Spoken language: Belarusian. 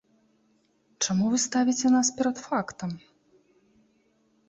Чаму вы ставіце нас перад фактам?